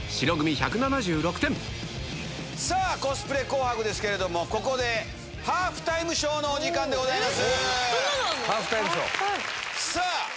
さあ、コスプレ紅白ですけれども、ここでハーフタイムショーのお時間でございます。